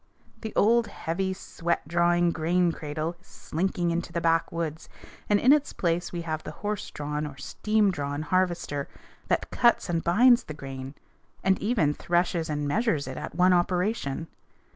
The old heavy, sweat drawing grain cradle is slinking into the backwoods, and in its place we have the horse drawn or steam drawn harvester that cuts and binds the grain, and even threshes and measures it at one operation.